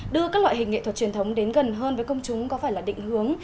đưa các loại hình nghệ thuật truyền thống đến gần hơn với công chúng có phải là định hướng